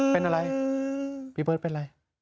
เป็นอะไรพี่เบิร์ตเป็นอะไร